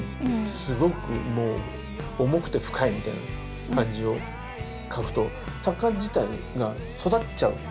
すごくもう重くて深いみたいな感じを描くと作家自体が育っちゃうじゃないですか。